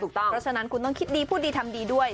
เพราะฉะนั้นคุณต้องคิดดีพูดดีทำดีด้วย